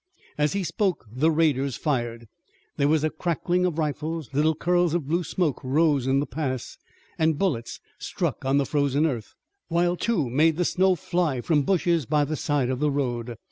As he spoke the raiders fired. There was a crackling of rifles, little curls of blue smoke rose in the pass, and bullets struck on the frozen earth, while two made the snow fly from bushes by the side of the road.